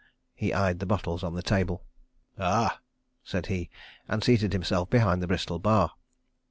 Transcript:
He eyed the bottles on the table. "Ah!" said he, and seated himself behind the Bristol Bar.